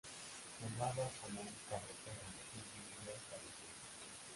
Fumaba como un carretero y vivió hasta los cien